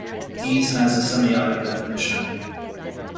Ease has a semiotic definition.